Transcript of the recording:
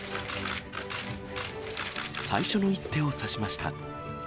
最初の一手を指しました。